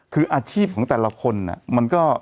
คืออาชีพของแต่ละคนมันก็